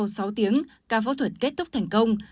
sau sáu tiếng ca phẫu thuật kết thúc thành công